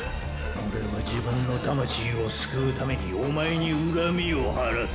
オレは自分の魂を救うためにおまえに恨みを晴らす！